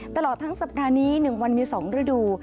ตลอดทั้งสัปดาห์นี้๑วันมี๒ฤดู